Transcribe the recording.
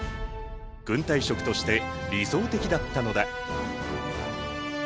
軍隊食として理想的だったのだ。